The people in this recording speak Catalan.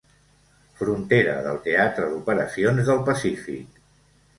Frontera del Teatre d'Operacions del Pacífic.